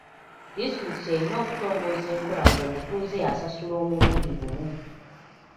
Disitulikiti erina okutongoza enkola ng'omutuuze asasula omulundi gumu.